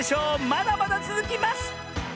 まだまだつづきます！